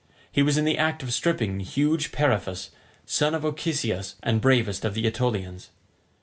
He was in the act of stripping huge Periphas, son of Ochesius and bravest of the Aetolians.